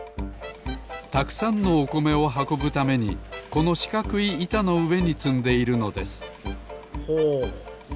たくさんのおこめをはこぶためにこのしかくいいたのうえにつんでいるのですほう。